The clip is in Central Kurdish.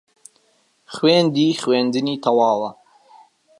خوێندی خوێندنی تەواوە